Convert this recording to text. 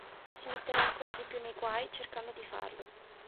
Si metterà ancora di più nei guai cercando di farlo.